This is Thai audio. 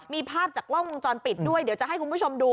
มีภาพจากกล้องวงจรปิดด้วยเดี๋ยวจะให้คุณผู้ชมดู